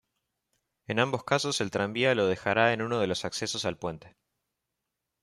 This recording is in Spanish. En ambos casos el tranvía lo dejará en uno de los accesos al puente.